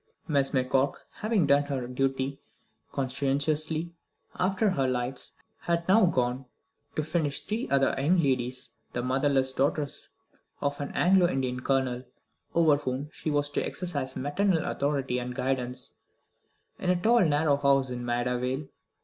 Miss McCroke, having done her duty conscientiously after her lights, had now gone to finish three other young ladies, the motherless daughters of an Anglo Indian colonel, over whom she was to exercise maternal authority and guidance, in a tall narrow house in Maida Vale.